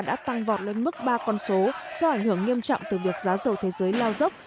đã tăng vọt lên mức ba con số do ảnh hưởng nghiêm trọng từ việc giá dầu thế giới lao dốc